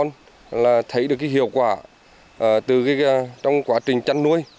anh em là thấy được cái hiệu quả từ cái trong quá trình chăn nuôi